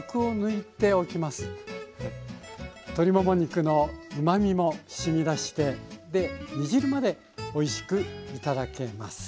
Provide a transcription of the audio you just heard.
鶏もも肉のうまみもしみ出してで煮汁までおいしく頂けます。